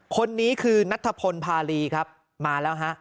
คนนี้คือนัทพลพารีครับมาแล้วฮะ